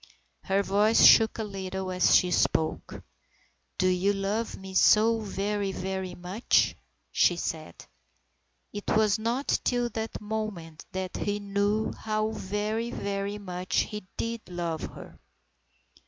Her voice shook a little as she spoke. " Do you love me so very, very much ?" she said. It was not till that moment that he knew how very, very much he did love her.